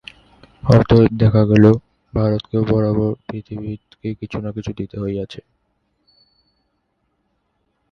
অতএব দেখা গেল, ভারতকেও বরাবর পৃথিবীকে কিছু না কিছু দিতে হইয়াছে।